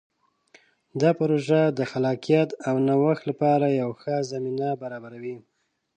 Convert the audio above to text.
دا پروژه د خلاقیت او نوښت لپاره یوه ښه زمینه برابروي.